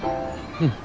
うん。